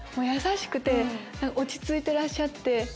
優しくて落ち着いてらっしゃって。